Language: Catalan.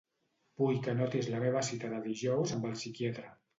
Vull que anotis la meva cita de dijous amb el psiquiatre.